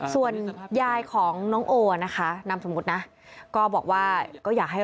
ส่วนยายของน้องโอนะคะนามสมมุตินะก็บอกว่าก็อยากให้